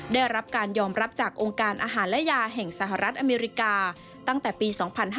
ได้รับการยอมรับจากองค์การอาหารและยาแห่งสหรัฐอเมริกาตั้งแต่ปี๒๕๕๙